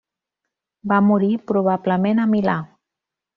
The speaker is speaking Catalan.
Va morir probablement a Milà.